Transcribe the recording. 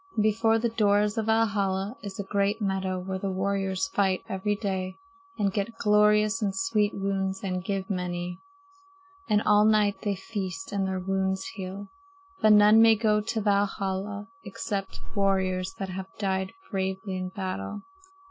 And before the doors of Valhalla is a great meadow where the warriors fight every day and get glorious and sweet wounds and give many. And all night they feast, and their wounds heal. But none may go to Valhalla except warriors that have died bravely in battle.